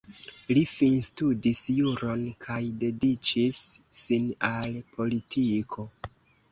Li finstudis juron kaj dediĉis sin al politiko.